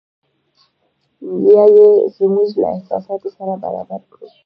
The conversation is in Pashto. یا یې زموږ له احساساتو سره برابر کړو.